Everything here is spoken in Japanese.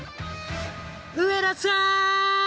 上田さーん！